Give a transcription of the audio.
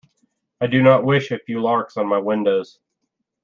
I do not wish a few larks on my windows.